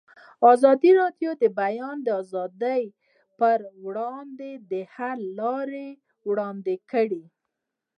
ازادي راډیو د د بیان آزادي پر وړاندې د حل لارې وړاندې کړي.